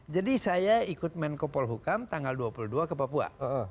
jadi saya ikut menko polhukam tanggal dua puluh dua ke papua